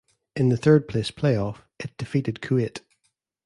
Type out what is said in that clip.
In the third place playoff, it defeated Kuwait.